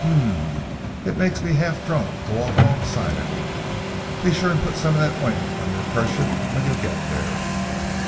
Um ee! it makes me half drunk to walk alongside of you. Be sure and put some of that ointment on your kerchief when you get there."